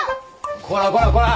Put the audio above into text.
こらこらこら！